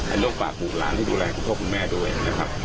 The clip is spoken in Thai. อาจจะถูกกุดล้างผู้พ่อคุณแม่นะครับ